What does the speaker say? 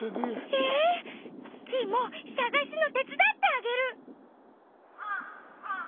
ええ！？キイもさがすのてつだってあげる！